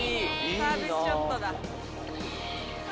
サービスショットだ！